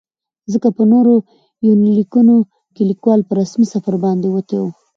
ځکه په نورو يونليکونو کې ليکوال په رسمي سفر باندې وتى و.